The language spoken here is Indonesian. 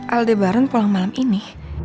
aldebaran pulang malam ini